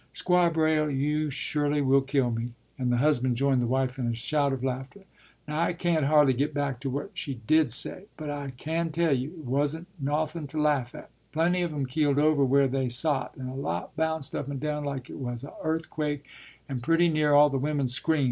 “Squire Braile, you surely will kill me,” and the husband joined the wife in a shout of laughter. “Now I can't hardly git back to what she did say. But, I can tell you, it wasn't nawthun' to laugh at. Plenty of 'em keeled over where they sot, and a lot bounced up and down like it was a earthquake and pretty near all the women screamed.